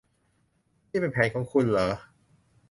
นี่เป็นแผนของคุณหรอ